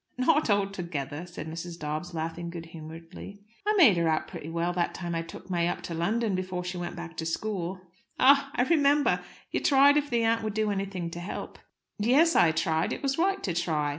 "Not altogether," said Mrs. Dobbs, laughing good humouredly. "I made her out pretty well that time I took May up to London before she went back to school." "Ah! I remember. You tried if the aunt would do anything to help." "Yes, I tried. It was right to try.